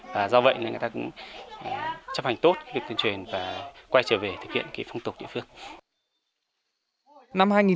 và do vậy người ta cũng chấp hành tốt việc tuyên truyền và quay trở về thực hiện phong tục địa phương